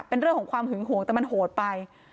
เป็นเรื่องของความหึงห่วงแต่มันโหดไป